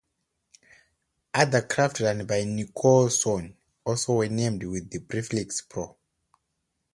Other craft run by Nicholson also were named with the prefix "pro".